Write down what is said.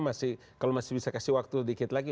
masih kalau masih bisa kasih waktu sedikit lagi